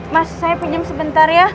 mas saya pinjam sebentar ya